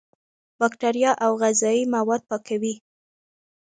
بکتریا او غذایي مواد پاکوي.